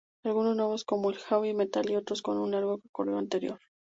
Algunos nuevos, como el heavy metal y otros con un largo recorrido anterior.